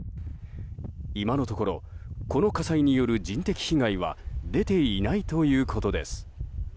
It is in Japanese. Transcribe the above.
今のところこの火災による人的被害は出ていないということです。